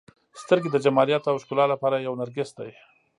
• سترګې د جمالیاتو او ښکلا لپاره یو نرګس دی.